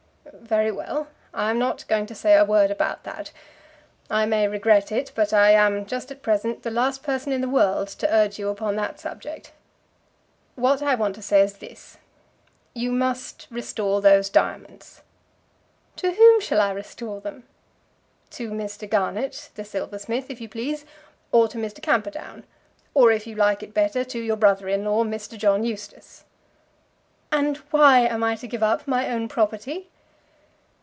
"Very well. I am not going to say a word about that. I may regret it, but I am, just at present, the last person in the world to urge you upon that subject. What I want to say is this. You must restore those diamonds." "To whom shall I restore them?" "To Mr. Garnett, the silversmith, if you please, or to Mr. Camperdown; or, if you like it better, to your brother in law, Mr. John Eustace." "And why am I to give up my own property?"